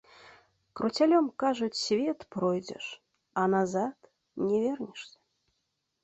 Круцялём, кажуць, свет пройдзеш, а назад не вернешся.